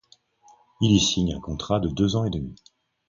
Il y signe un contrat de deux ans et demi.